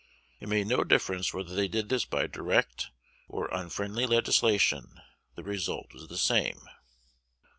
It made no difference whether they did this by direct or "unfriendly legislation:" the result was the same.